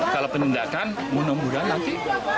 kalau penindakan mudah mudahan nanti